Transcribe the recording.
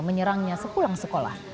menyerangnya sepulang sekolah